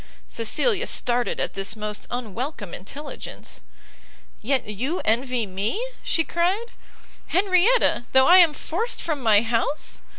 Cecilia started at this most unwelcome intelligence; "Yet you envy me," she cried, "Henrietta, though I am forced from my house!